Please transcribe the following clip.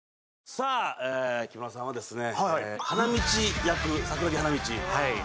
さあ木村さんはですね